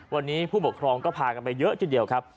วันนี้ผู้ปกครองก็พากันไปเยอะทีเดียวครับ